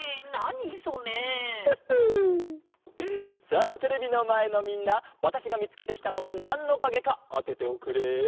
さあテレビのまえのみんなわたしがみつけてきたのがなんのかげかあてておくれ。